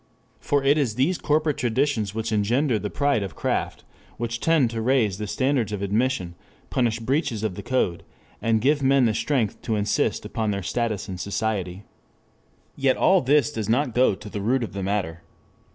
For it is these corporate traditions which engender the pride of craft, which tend to raise the standards of admission, punish breaches of the code, and give men the strength to insist upon their status in society. 3 Yet all this does not go to the root of the matter.